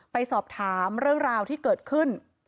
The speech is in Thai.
ไปสอบถามเรื่องราวที่เกิดขึ้น